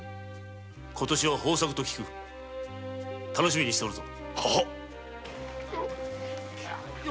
今年は豊作と聞くが楽しみにしておるぞ。